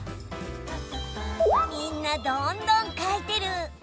みんなどんどん書いてる。